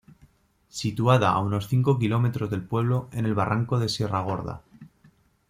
Situada a unos cinco kilómetros del pueblo, en el barranco de Sierra Gorda.